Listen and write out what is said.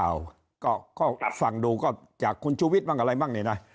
ตามข่าวก็ฟังดูก็จะคุณชูวิทย์บ้างอะไรบ้างเนี่ยนะ